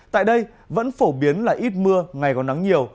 tại đây vẫn phổ biến là ít mưa ngày còn nắng nhiều